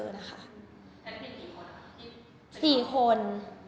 แล้วมีกันกันตรงไหนครับมีสี่คน